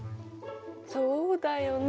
そうだよね。